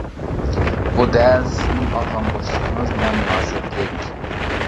بۇ دەل سىزنىڭ ئالغان بوشلۇقىڭىز بىلەن مۇناسىۋەتلىك.